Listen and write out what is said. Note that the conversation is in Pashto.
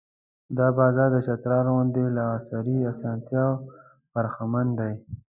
دا بازار د چترال غوندې له عصري اسانتیاوو برخمن دی.